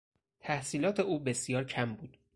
تحصیلات او بسیار کم بود.